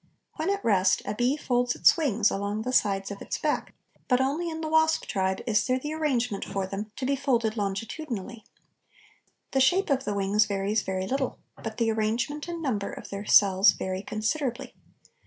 When at rest a bee folds its wings along the sides of its back, but only in the wasp tribe is there the arrangement for them to be folded longitudinally. The shape of the wings varies very little, but the arrangement and number of their cells vary considerably.